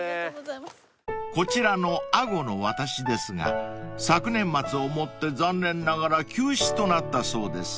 ［こちらの安居の渡しですが昨年末をもって残念ながら休止となったそうです］